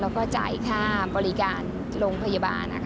แล้วก็จ่ายค่าบริการโรงพยาบาล